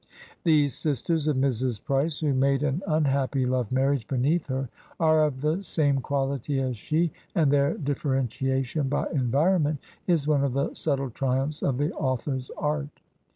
These sisters of Mrs. Price who made an unhappy love marriage beneath her, are of the same quaUty as she, and their differentiation by environment is one of the subtle triumphs of the author's art.